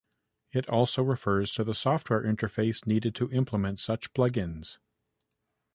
It also refers to the software interface needed to implement such plugins.